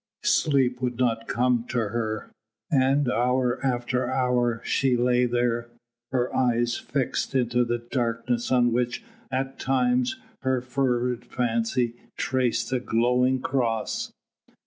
Sleep would not come to her, and hour after hour she lay there, her eyes fixed into the darkness on which, at times, her fevered fancy traced a glowing cross.